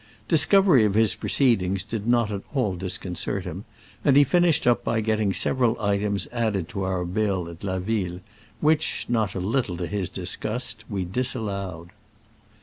Discovery of his proceedings did not at all disconcert him, and he finished up by getting sev eral items added to our bill at La Ville, which, not a little to his disgust, we disallowed.